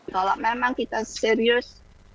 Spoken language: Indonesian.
kalau memang kita serius